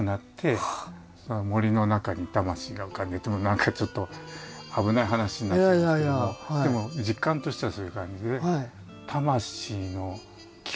何かちょっと危ない話になっちゃうんですけどもでも実感としてはそういう感じで。